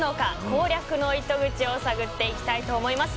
攻略の糸口を探っていきたいと思います。